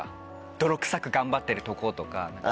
泥くさく頑張ってるとことか。